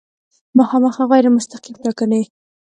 مخامخ او غیر مستقیمې ټاکنې